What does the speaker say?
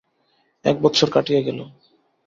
এক বৎসর কাটিয়া গেল।